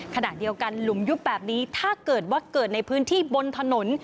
ขณะเดียวกันหลุมยุบแบบนี้ถ้าเกิดว่าเกิดในพื้นที่บนถนน